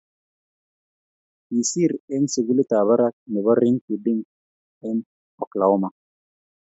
Kisir eng sugulitab barak nebo rinky- dink eng Oklahoma.